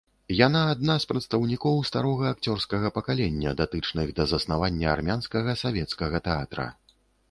Яна адна з прадстаўнікоў старога акцёрскага пакалення, датычных да заснавання армянскага савецкага тэатра.